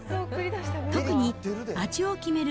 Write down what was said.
特に味を決める